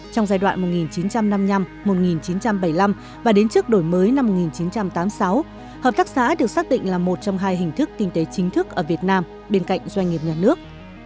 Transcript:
trong giai đoạn một nghìn chín trăm năm mươi năm một nghìn chín trăm bảy mươi năm và đến trước đổi mới năm một nghìn chín trăm tám mươi sáu hợp tác xã được xác định là một trong hai hình thức kinh tế chính thức ở việt nam bên cạnh doanh nghiệp nhà nước